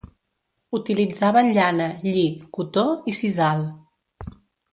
Utilitzaven llana, lli, cotó i sisal.